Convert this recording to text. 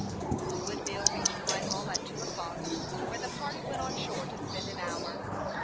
The Woodville reached Whitehall at two o'clock, where the party went on shore to spend an hour.